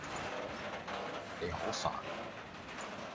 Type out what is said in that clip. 你好煩呀